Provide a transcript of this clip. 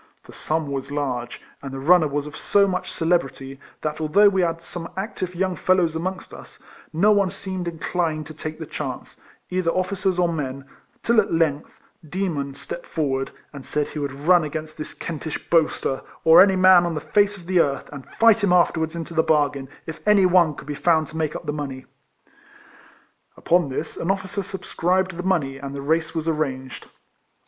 The sum was large, and the runner was of so much celebrity, that al though we had some active young fellows amongst us, no one seemed inclined to take the chance, either officers or men, till at length Demon stepped forth and said he would run against this Kentish boaster, or any man on the face of the earth, and fight him afterwards into the bargain, if any one could be found to make up the money. Upon this, an officer subscribed the money, and the race was arranged.